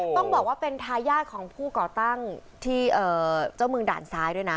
ต้องบอกว่าเป็นทายาทของผู้ก่อตั้งที่เจ้าเมืองด่านซ้ายด้วยนะ